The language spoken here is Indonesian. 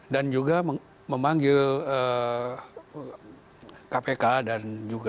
dan juga memanggil kpk dan juga